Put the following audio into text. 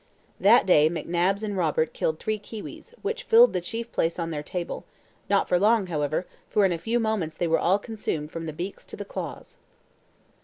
That day McNabbs and Robert killed three kiwis, which filled the chief place on their table, not for long, however, for in a few moments they were all consumed from the beaks to the claws.